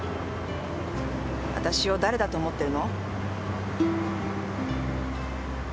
わたしを誰だと思ってるの？